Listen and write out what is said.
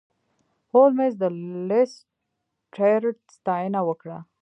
هولمز د لیسټرډ ستاینه وکړه.